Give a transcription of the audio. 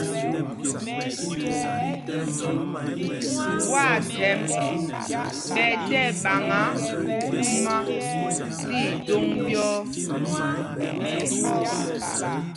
Ɓwâthɛmb ɓɛ tí ɛɓaŋǎ kūkūmā tí idōŋ ɓyɔ̄ɔ̄.